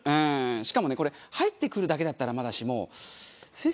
しかもねこれ入ってくるだけだったらまだしも先生